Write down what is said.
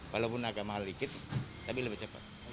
walaupun agak mahal dikit tapi lebih cepat